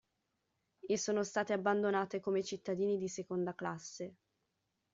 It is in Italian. E sono state abbandonate come cittadini di seconda classe.